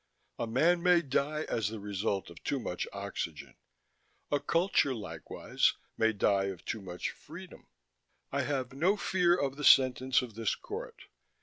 A man may die as the result of too much oxygen: a culture, likewise, may die of too much freedom. I have no fear of the sentence of this court.